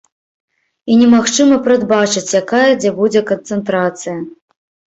І немагчыма прадбачыць якая дзе будзе канцэнтрацыя.